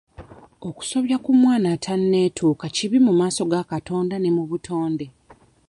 Okusobya ku mwana atanneetuuka kibi mu maaso ga Katonda ne mu butonde.